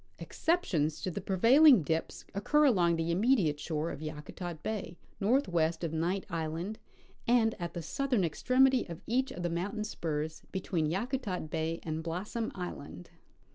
Exceptions to the prevailing dips occur along the immediate shore of Yakutat bay, northwest of Knight island, and at the southern extremity of each of the mountain S^urs between Yakutat bay and Blossom island.